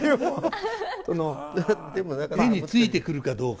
手についてくるかどうか。